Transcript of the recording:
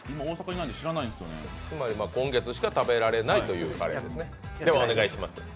今月しか食べられないというカレーですね。